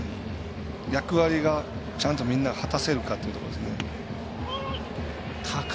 役割が、ちゃんと、みんなが果たせるかっていうところですね。